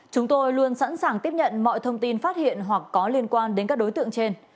chúng tôi luôn sẵn sàng tiếp nhận mọi thông tin phát hiện hoặc có liên quan đến các đối tượng trên